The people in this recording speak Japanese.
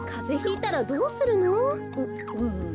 ううん。